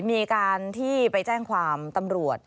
มีการที่ไปแจ้งความตำรวจ